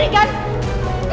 diego masih hidup